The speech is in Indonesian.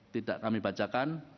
tidak kami bacakan